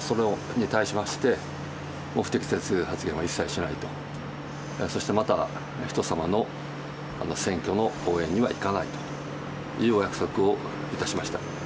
それに対しまして、不適切発言は一切しないと、そしてまた、人様の選挙の応援には行かないというお約束をいたしました。